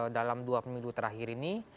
dalam dua minggu terakhir ini